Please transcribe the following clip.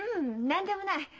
何でもない。